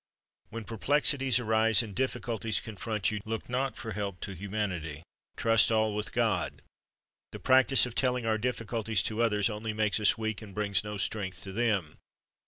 When perplexities arise, and difficulties confront you, look not for help to humanity. Trust all with God. The practise of telling our difficulties to others, only makes us weak, and brings no strength to them.